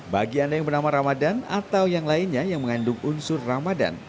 bagi anda yang bernama ramadan atau yang lainnya yang mengandung unsur ramadhan